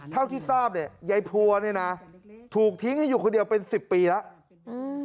เท่าที่ทราบยายพัวนี่นะถูกทิ้งให้อยู่คนเดียวเป็น๑๐ปีแล้ว